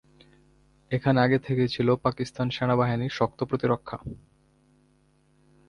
এখানে আগে থেকেই ছিল পাকিস্তান সেনাবাহিনীর শক্ত প্রতিরক্ষা।